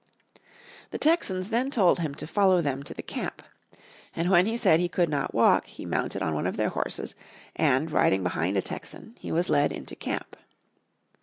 The Texans then told him to follow them to the camp. And when he said he could not walk he mounted on one of their horses, and, riding behind a Texan, he was led into camp.